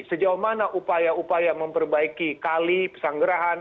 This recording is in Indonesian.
sejauh mana upaya upaya memperbaiki kali pesanggerahan